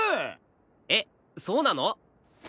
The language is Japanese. えっそうなの？